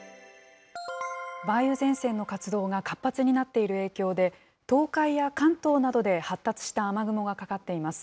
梅雨前線の活動が活発になっている影響で、東海や関東などで発達した雨雲がかかっています。